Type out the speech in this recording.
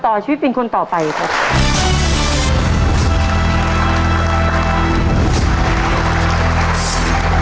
ขอบคุณครับ